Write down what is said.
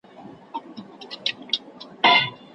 پلار د خپلو اولادونو لپاره په ټولنه کي د عزت لاره هواروي.